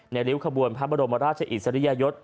ริ้วขบวนพระบรมราชอิสริยยศ